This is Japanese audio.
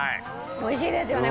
美味しいですよね